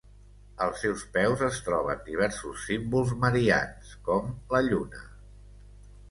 Als seus peus es troben diversos símbols marians, com la lluna.